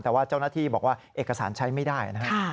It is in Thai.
แต่ว่าเจ้าหน้าที่บอกว่าเอกสารใช้ไม่ได้นะครับ